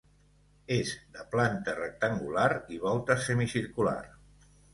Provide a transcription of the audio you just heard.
És de planta rectangular i volta semicircular.